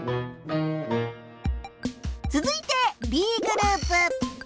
つづいてＢグループ。